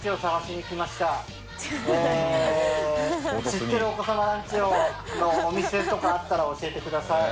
知ってるお子さまランチのお店とかあったら教えてください。